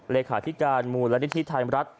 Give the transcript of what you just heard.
เลขาธิการมูลนิธิไทยรัฐ